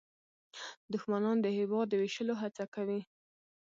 دښمنان د هېواد د ویشلو هڅه کوي